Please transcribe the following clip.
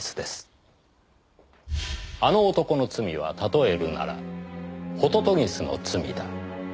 「あの男の罪は例えるなら杜鵑の罪だ」